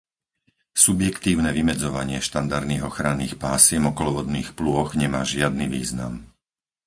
Subjektívne vymedzovanie štandardných ochranných pásiem okolo vodných plôch nemá žiadny význam.